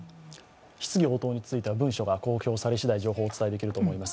質疑応答については文書が公表されしだい、情報をお伝えできると思います。